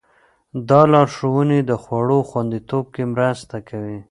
دا لارښوونې د خوړو خوندیتوب کې مرسته کوي.